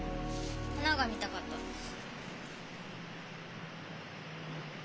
花が見たかったんです。